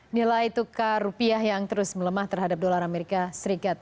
nilai tukar rupiah yang terus melemah terhadap dolar amerika serikat